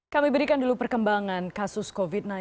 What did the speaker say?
kami berikan dulu perkembangan kasus covid sembilan belas